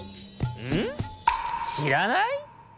うん？しらない？